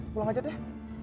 pulang aja deh